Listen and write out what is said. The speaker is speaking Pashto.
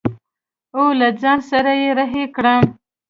او له ځان سره يې رهي کړم.